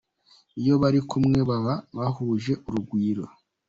Iyo bari kumwe baba bahuje urugwiro.